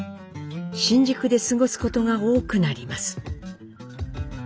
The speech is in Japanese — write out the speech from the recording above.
新宿で過ごすことが多くなります。